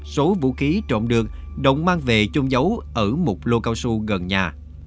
số vũ khí trộn được đồng mang về chung dấu ở một lô cao su gần nhà